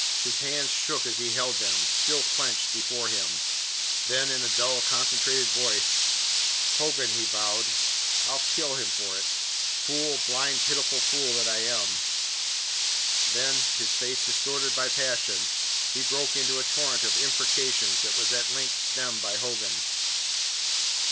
His hands shook as he held them, still clenched, before him. Then, in a dull, concentrated voice: "Hogan," he vowed, "I'll kill him for it. Fool, blind, pitiful fool that I am." Then his face distorted by passion he broke into a torrent of imprecations that was at length stemmed by Hogan.